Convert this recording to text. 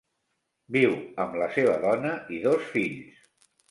Viu amb la seva dona i dos fills.